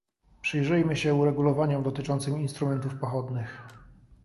Przyjrzymy się uregulowaniom dotyczącym instrumentów pochodnych